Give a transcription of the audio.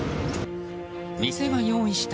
店が用意した